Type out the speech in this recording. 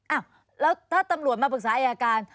อ้าวแล้วถ้าตำรวจมาปรึกษาอายการ